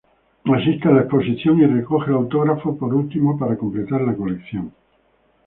Asiste a la exposición y recoge el autógrafo, por último para completar la colección.